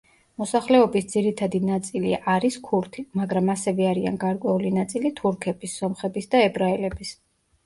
მოსახლეობის ძირითადი ნაწილი არის ქურთი, მაგრამ ასევე არიან გარკვეული ნაწილი თურქების, სომხების და ებრაელების.